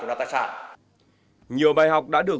nâng cao hiểu biết pháp luật